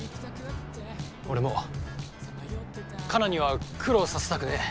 俺もカナには苦労させたくねえ。